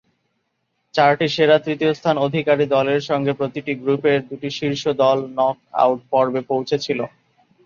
চারটি সেরা তৃতীয় স্থান অধিকারী দলের সঙ্গে প্রতিটি গ্রুপের দুটি শীর্ষ দল নক-আউট পর্বে পৌঁছেছিল।